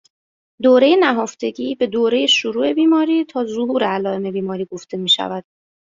دوره نهفتگی به دوره شروع بیماری تا ظهور علایم بیماری گفته میشود